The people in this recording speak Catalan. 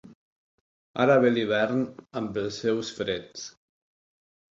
Ara ve l'hivern amb els seus freds.